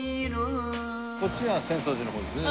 こっちが浅草寺の方ですね。